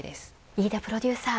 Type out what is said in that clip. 飯田プロデューサー